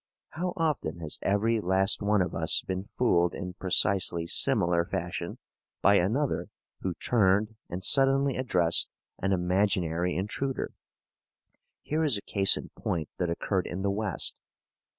How often has every last one of us been fooled in precisely similar fashion by another who turned and suddenly addressed an imaginary intruder? Here is a case in point that occurred in the West.